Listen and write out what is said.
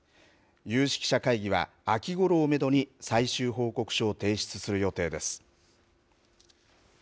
有識者会議は、秋ごろをメドに最終報告書を提出する予定です。